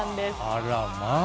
あらまあ。